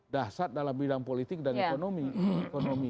dasar dalam bidang politik dan ekonomi